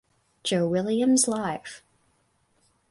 Joe Williams Live!